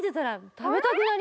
食べたくなる！